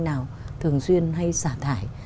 nào thường xuyên hay xả thải